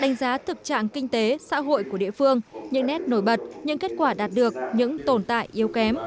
đánh giá thực trạng kinh tế xã hội của địa phương những nét nổi bật những kết quả đạt được những tồn tại yếu kém